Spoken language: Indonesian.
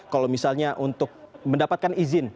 kalau misalnya untuk mendapatkan izin